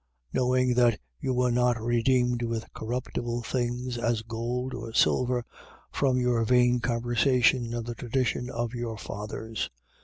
1:18. Knowing that you were not redeemed with corruptible things, as gold or silver, from your vain conversation of the tradition of your fathers: 1:19.